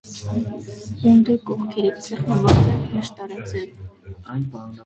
Ունդը կողքերից սեղմված է, նշտարաձև։